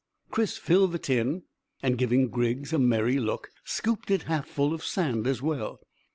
Chris filled the tin, and giving Griggs a merry look, scooped it half full of sand as well.